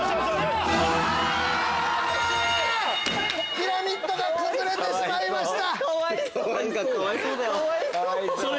ピラミッドが崩れてしまいました！